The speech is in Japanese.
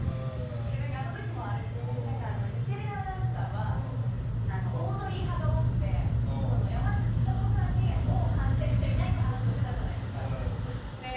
あの時も、日テレアナウンサーはオードリー派が多くて山里さんを感じている人いないって話していたじゃないですか。